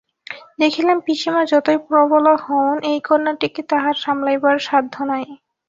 দেখিলাম, পিসিমা যতই প্রবলা হউন এই কন্যাটিকে তাঁহার সামলাইবার সাধ্য নাই।